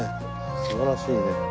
素晴らしいね。